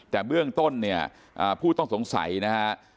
แต่เบื้องต้นเนี่ยผู้ต้องสงสัยนะฮะ